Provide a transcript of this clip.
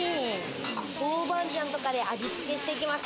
豆板醤とかで味付けしていきます。